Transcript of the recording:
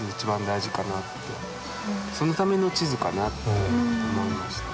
そのための地図かなって思いましたね。